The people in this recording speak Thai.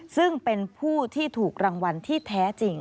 ซึ่งเป็นผู้ที่ถูกรางวัลที่แท้จริง